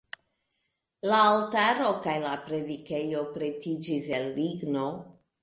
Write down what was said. La altaro kaj la predikejo pretiĝis el ligno.